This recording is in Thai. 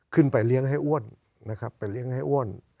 เลี้ยงให้อ้วนนะครับไปเลี้ยงให้อ้วน